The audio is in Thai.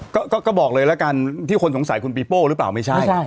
ก็บอกเลยละกันที่คนสงสัยคุณปีโป้หรือเปล่าไม่ใช่